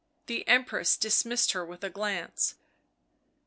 The Empress dismissed her with a glance.